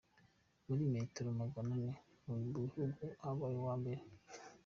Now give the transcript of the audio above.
Muri metero magana ane mu bahungu, yabaye uwa mbere.